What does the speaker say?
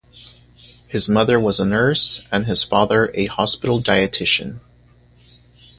His mother was a nurse and his father a hospital dietitian.